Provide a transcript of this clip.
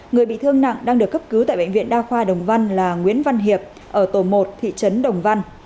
người bị thương nặng đang được cấp cứu tại bệnh viện đa khoa đồng văn là nguyễn văn hiệp ở tổ một thị trấn đồng văn